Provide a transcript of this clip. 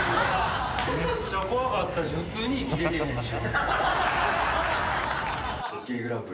めっちゃ怖かったし普通に息できへんし。